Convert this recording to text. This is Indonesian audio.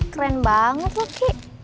keren banget loh ki